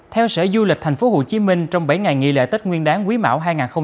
theo sở du lịch tp hcm trong bảy ngày nghỉ lễ tết nguyên đáng quý mão hai nghìn hai mươi bốn